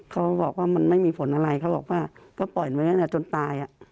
เขาบอกว่ามันไม่มีผลอะไรเขาบอกว่าก็ปล่อยมาจนตาย